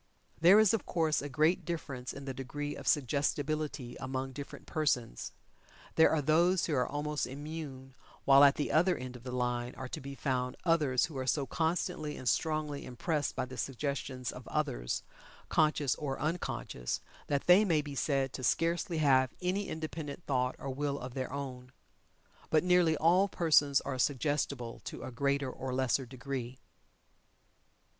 There is of course a great difference in the degree of suggestibility among different persons. There are those who are almost immune, while at the other end of the line are to be found others who are so constantly and strongly impressed by the suggestions of others, conscious or unconscious, that they may be said to scarcely have any independent thought or will of their own. But nearly all persons are suggestible to a greater or lesser degree.